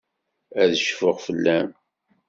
Ad cfuɣ fell-am.